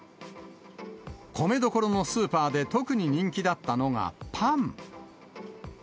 米どころのスーパーで特に人気だったのが、パン。